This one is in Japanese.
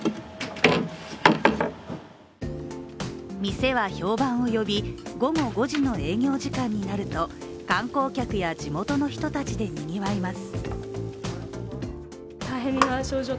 店は評判を呼び午後５時の営業時間になると観光客や地元の人たちでにぎわいます。